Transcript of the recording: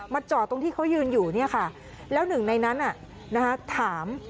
จอดตรงที่เขายืนอยู่เนี่ยค่ะแล้วหนึ่งในนั้นถาม